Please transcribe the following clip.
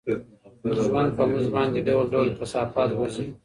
ژوند په موږ باندې ډول ډول کثافات غورځوي.